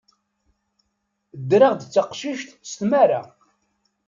Ddreɣ-d d taqcict s tmara.